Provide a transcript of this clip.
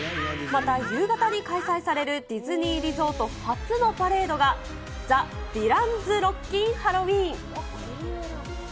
また、夕方に開催されるディズニーリゾート初のパレードが、ザ・ヴィランズ・ロッキン・ハロウィーン。